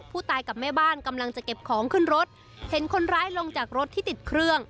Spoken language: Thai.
กับแม่บ้านกำลังจะเก็บของขึ้นรถเห็นคนร้ายลงจากรถที่ติดเครื่อง